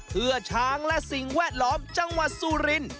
เผื่อชางและสิ่งแวดล้อมจังหวัดซู่ริน